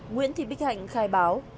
nguyễn thị bích hạnh khai báo